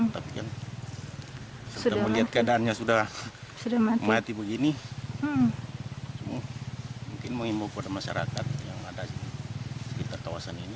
tapi kan setelah melihat keadaannya sudah mati begini mungkin mengimbau kepada masyarakat yang ada di sekitar kawasan ini